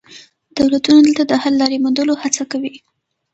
دولتونه دلته د حل لارې موندلو هڅه کوي